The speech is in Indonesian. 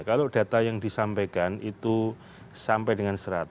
kalau data yang disampaikan itu sampai dengan seratus